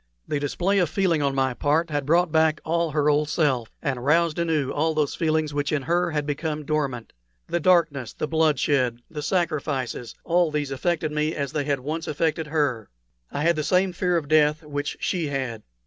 The display of feeling on my part had brought back all her old self, and roused anew all those feelings which in her had become dormant. The darkness, the bloodshed, the sacrifices, all these affected me as they had once affected her. I had the same fear of death which she had.